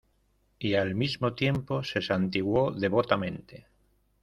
y al mismo tiempo se santiguó devotamente.